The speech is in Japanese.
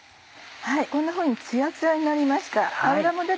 こんなふうにツヤツヤになりました。